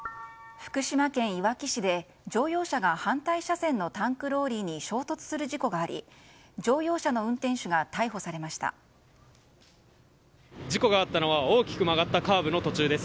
福島県いわき市で乗用車が反対車線のタンクローリーに衝突する事故があり、乗用車の運転手が事故があったのは大きく曲がったカーブの途中です。